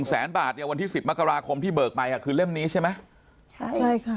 ๑แสนบาทวันที่๑๐มกราคมพี่เบิกไปคือเล่มนี้ใช่ไหม